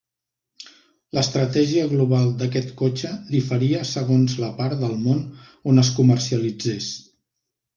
L'estratègia global d'aquest cotxe diferia segons la part del món on es comercialitzés.